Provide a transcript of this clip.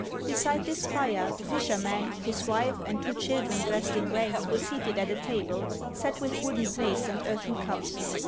Beside this fire the fisherman, his wife, and two children dressed in rags were seated at a table set with wooden plates and earthen cups.